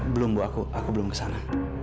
belum bu aku belum kesana